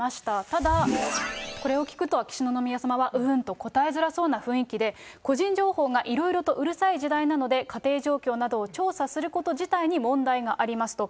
ただ、これを聞くと、秋篠宮さまはうーんと答えづらそうな雰囲気で、個人情報がいろいろとうるさい時代なので、家庭状況などを調査すること自体に問題がありますと。